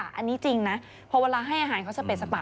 อันนี้จริงนะพอเวลาให้อาหารเขาสเป็ดสปะ